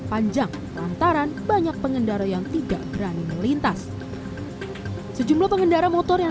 panjang lantaran banyak pengendara yang tidak berani melintas sejumlah pengendara motor yang